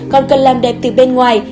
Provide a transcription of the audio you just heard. còn cần làm đẹp từ bên ngoài